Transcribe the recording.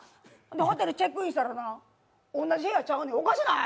ホテルチェックインしたらな同じ部屋ちゃうねんおかしない？